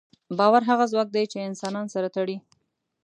باور هغه ځواک دی، چې انسانان سره تړي.